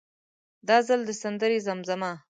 دا ځل د سندرې زمزمه.